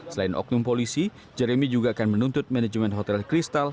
selain oknum polisi jeremy juga akan menuntut manajemen hotel kristal